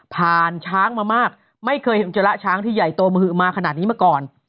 ช้างมามากไม่เคยเห็นจระช้างที่ใหญ่โตมหือมาขนาดนี้มาก่อน